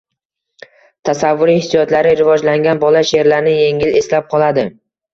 Tasavvuriy hissiyotlari rivojlangan bola she’rlarni yengil eslab qoladi.